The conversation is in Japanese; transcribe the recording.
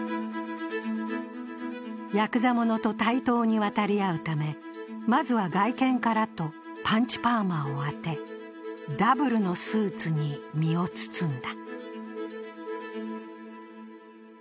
ヤクザ者と対等に渡り合うためまずは外見からとパンチパーマを当て、ダブルのスーツに身を包んだ。